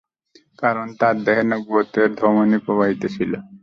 কারণ, তাঁর দেহে নবুওতের ধমনী প্রবাহিত ছিল।